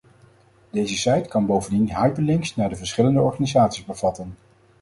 Deze site kan bovendien hyperlinks naar de verschillende organisaties bevatten.